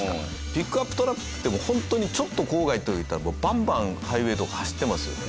ピックアップトラックってもうホントにちょっと郊外とか行ったらもうバンバンハイウェーとか走ってますよ。